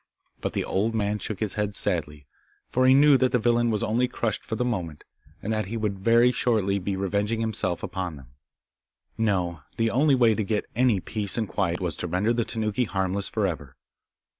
But the old man shook his head sadly, for he knew that the villain was only crushed for the moment, and that he would shortly be revenging himself upon them. No, the only way every to get any peace and quiet was to render the Tanuki harmless for ever.